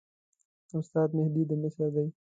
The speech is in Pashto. استاد مهدي د مصر دی.